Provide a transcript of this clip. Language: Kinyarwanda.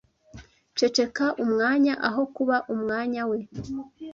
ceceka umwanya aho kuba umwanya we